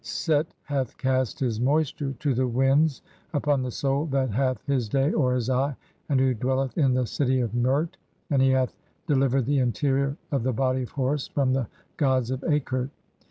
(5) "Set hath cast (?) his moisture to the winds upon the soul [that "hath] his day (or his eye) and who dwelleth in the city of "Mert, and he hath delivered the interior of the body of Horus "from the gods of Akert.